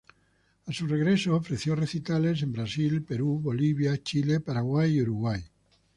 A su regreso ofreció recitales en Brasil, Perú, Bolivia, Chile, Paraguay y Uruguay.